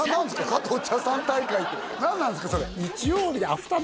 加藤茶さん大会って何なんですか？